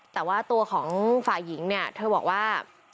แต่ว่าตัวของฝ่ายหญิงเนี่ยเธอบอกว่า